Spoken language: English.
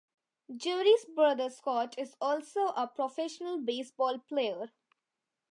Jerry's brother Scott is also a professional baseball player.